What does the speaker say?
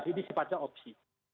ini sepatah opsi